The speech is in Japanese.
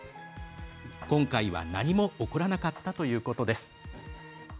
今回は何も起こらなかったということです。